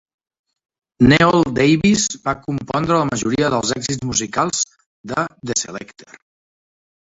Neol Davies va compondre la majoria dels èxits musicals de The Selecter.